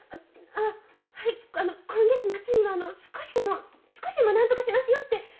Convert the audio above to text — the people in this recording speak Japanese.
はい今月末には少しでも少しでもなんとかしますよって。